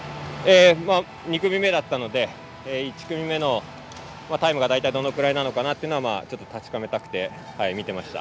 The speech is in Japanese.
２組目だったので１組目のタイムが、大体どのくらいなのかなというのは確かめたくて見てました。